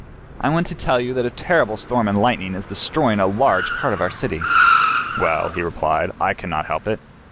"I want to tell you that a terrible storm and lightning is destroying a large part of our city." "Well," he replied, "I cannot help it."